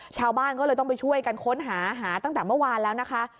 ชาวบ้านก็เลยต้องไปช่วยกันค้นหาหาตั้งแต่เมื่อวานแล้วนะคะ